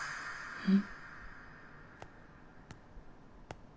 うん。